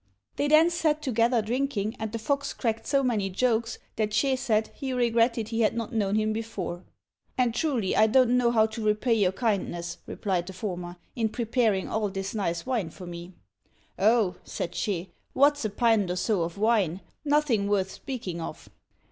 They then sat together drinking, and the fox cracked so many jokes that Ch'ê said he regretted he had not known him before. "And truly I don't know how to repay your kindness," replied the former, "in preparing all this nice wine for me." "Oh," said Ch'ê, "what's a pint or so of wine? nothing worth speaking of."